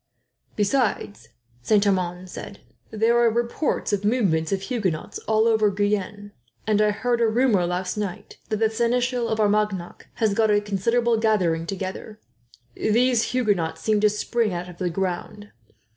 "Besides," Saint Amand said, "there are reports of movements of Huguenots all over Guyenne; and I heard a rumour, last night, that the Seneschal of Armagnac has got a considerable gathering together. These Huguenots seem to spring out of the ground.